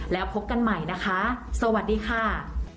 แล้วพบกันใหม่นะคะสวัสดีค่ะ